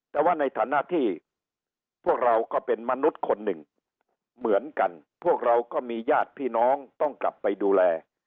แต่ว่าในฐานะที่พวกเราก็เป็นมนุษย์คนหนึ่งเหมือนกันพวกเราก็มีญาติพี่น้องต้องกลับไปดูแล